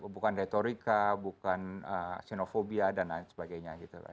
bukan retorika bukan xenofobia dan lain sebagainya